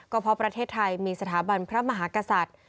ก็เพราะประเทศไทยมีสถาบันพระมหากษัตริย์